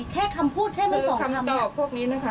แค่คำพูดแค่ไม่สองคำอย่างคือคำตอบพวกนี้นะคะ